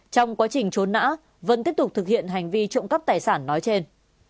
trong quá trình trốn nã vân tiếp tục thực hiện hành vi trộm cắp tài sản nói trên